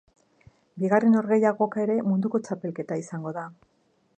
Bigarren norgehiagoka ere munduko txapelketa izango da.